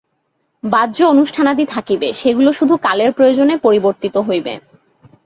বাহ্য অনুষ্ঠানাদি থাকিবে, সেগুলি শুধু কালের প্রয়োজনে পরিবর্তিত হইবে।